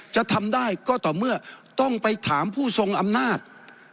จะทำได้ก็ต่อเมื่อต้องไปถามผู้ทรงอำนาจ